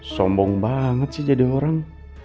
sombong banget sih jadi orang